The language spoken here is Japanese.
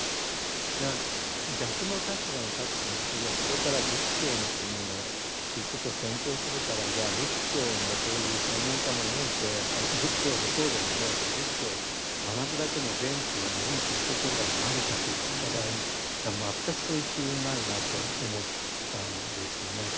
いや逆の立場に立ってみてこれから仏教の国へキリスト教を宣教するからじゃあ仏教のそういう専門家を招いて仏教の僧侶を招いて仏教を学ぶだけの元気が日本基督教団にあるかといった場合にいや全くそういう機運ないなと思ったんですよね。